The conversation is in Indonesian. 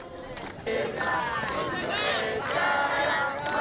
jangan lupa untuk berlangganan